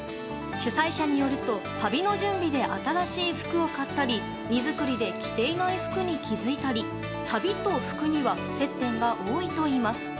主催者によると旅の準備で新しい服を買ったり荷造りで着ていない服に気づいたり旅と服には接点が多いといいます。